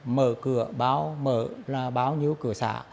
mở cửa báo mở bao nhiêu cửa xã